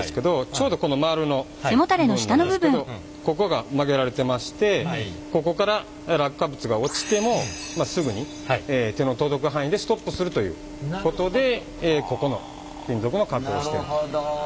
ちょうどこのまるの部分なんですけどここが曲げられてましてここから落下物が落ちてもすぐに手の届く範囲でストップするということでここの金属の加工をしてるということです。